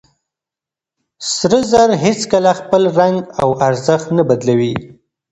سره زر هيڅکله خپل رنګ او ارزښت نه بدلوي.